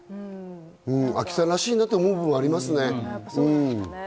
あきさんらしいなと思う部分はありますね。